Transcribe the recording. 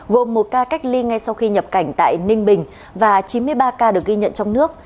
gồm một ca cách ly ngay sau khi nhập cảnh tại ninh bình và chín mươi ba ca được ghi nhận trong nước